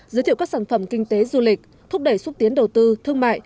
giới thiệu các sản phẩm kinh tế du lịch thúc đẩy xúc tiến đầu tư thương mại